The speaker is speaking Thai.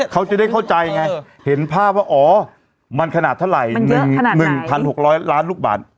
เขาจะได้เข้าใจไงเห็นภาพว่าอ๋อมันขนาดเท่าไหร่๑๖๐๐ล้านลูกบาท